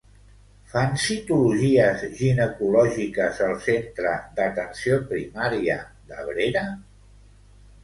Fan citologies ginecològiques al centre d'atenció primària d'Abrera?